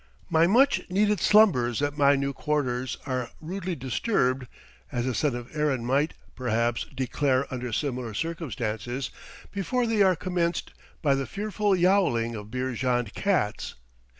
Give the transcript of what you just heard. My much needed slumbers at my new quarters are rudely disturbed as a son of Erin might, perhaps, declare under similar circumstances before they are commenced, by the fearful yowling of Beerjand cats.